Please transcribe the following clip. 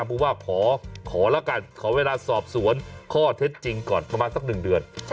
ผู้ว่าขอแล้วกันขอเวลาสอบสวนข้อเท็จจริงก่อนประมาณสักหนึ่งเดือน